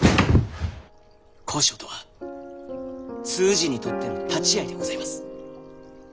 交渉とは通詞にとっての立ち合いでございます。